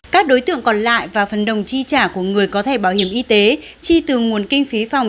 các đối tượng còn lại và phần đồng chi trả của người có thẻ bảo hiểm y tế chi từ nguồn kinh phí phòng